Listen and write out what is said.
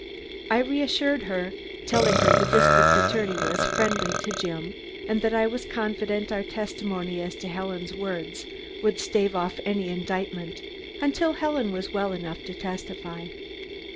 I reassured her, telling her the district attorney was friendly to Jim and that I was confident our testimony as to Helen's words would stave off any indictment until Helen was well enough to testify.